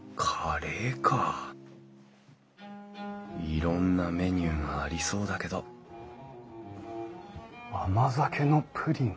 いろんなメニューがありそうだけど甘酒のプリン。